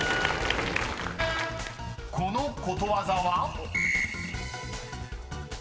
［このことわざは？］